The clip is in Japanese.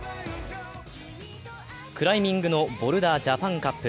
クライミングのボルダージャパンカップ。